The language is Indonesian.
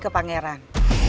patah unik kristen